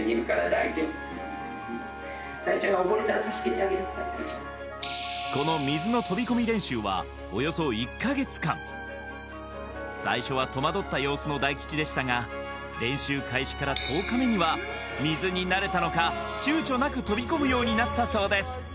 大ちゃんがこの水の飛び込み練習はおよそ１か月間最初は戸惑った様子の大吉でしたが練習開始から１０日目には水に慣れたのか躊躇なく飛び込むようになったそうです